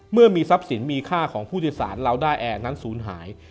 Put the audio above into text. เมื่อมีทรัพย์สินมีค่าของผู้ทศาลราวด้าแอนั้นสูญหาย